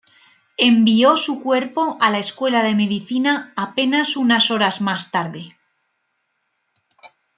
Envió su cuerpo a la Escuela de Medicina apenas unas horas más tarde.